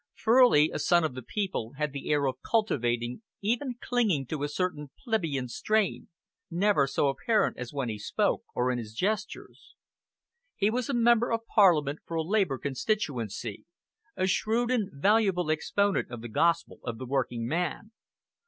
Furley, a son of the people, had the air of cultivating, even clinging to a certain plebeian strain, never so apparent as when he spoke, or in his gestures. He was a Member of Parliament for a Labour constituency, a shrewd and valuable exponent of the gospel of the working man.